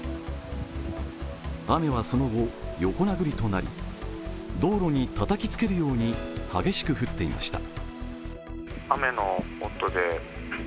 雨はその後、横殴りとなり道路にたたきつけるように激しく降っていました。